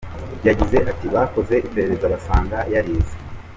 Yagize ati “Bakoze iperereza basanga yarizize.